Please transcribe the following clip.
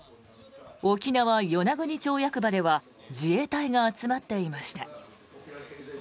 沖縄・与那国町役場では自衛隊が集まっていました。